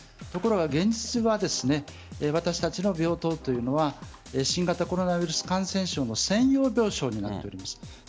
ところが現実は私たちの病棟というのは新型コロナウイルス感染症の専用病床になっています。